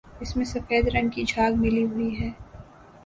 اس میں سفید رنگ کی جھاگ ملی ہوئی ہے